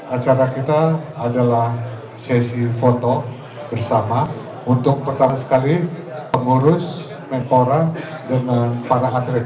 acara kita adalah sesi foto bersama untuk pertama sekali pengurus menpora dengan para atlet